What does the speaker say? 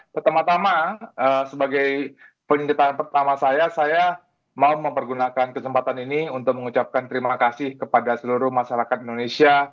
pertama tama sebagai penyuntian pertama saya saya mau mempergunakan kesempatan ini untuk mengucapkan terima kasih kepada seluruh masyarakat indonesia